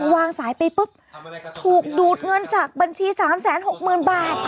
วางสายไปปุ๊บถูกดูดเงินจากบัญชี๓๖๐๐๐บาท